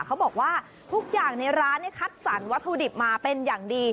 เขาบอกว่าทุกอย่างในร้านคัดสรรวัตถุดิบมาเป็นอย่างดี